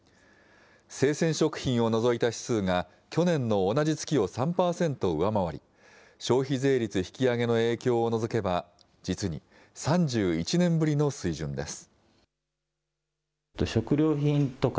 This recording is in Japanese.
生鮮食品を除いた指数が去年の同じ月を３％上回り、消費税率引き上げの影響を除けば、実に３１年ぶりの水準です。